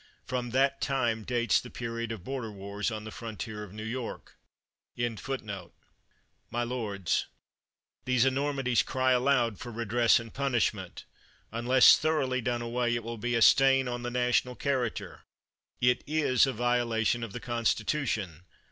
From that time dates the period of border wars on the frontier of New York. 217 THE WORLD'S FAMOUS ORATIONS mities cry aloud for redress and punishment. Un less thoroughly done away, it will be a stain on the national character. It is a violation of the Constitution.